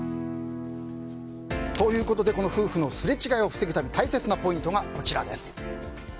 この夫婦のすれ違いを防ぐために大切なポイントがこちらです。